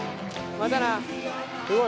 またな！